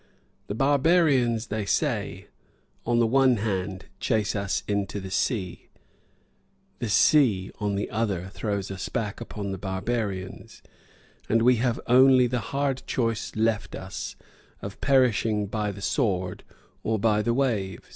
"The barbarians," say they, "on the one hand, chase us into the sea; the sea, on the other, throws us back upon the barbarians; and we have only the hard choice left us of perishing by the sword or by the waves."